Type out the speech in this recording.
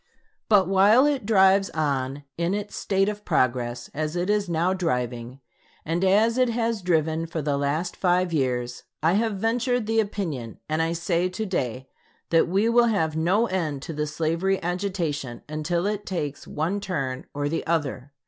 But while it drives on in its state of progress as it is now driving, and as it has driven for the last five years, I have ventured the opinion, and I say to day that we will have no end to the slavery agitation until it takes one turn or the other.